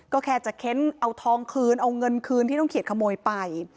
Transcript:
ก็แค่จะเค้นเอาทองคืนเอาเงินคืนที่น้องเขียดขโมยไป